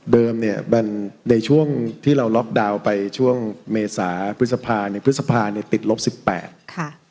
เนี่ยมันในช่วงที่เราล็อกดาวน์ไปช่วงเมษาพฤษภาเนี่ยพฤษภาเนี่ยติดลบสิบแปดค่ะ